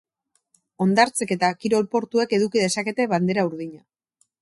Hondartzek eta kirol portuek eduki dezakete bandera urdina.